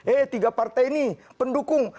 eh tiga partai ini pendukung